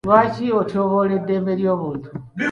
Lwaki otyoboola eddembe ly'obuntu?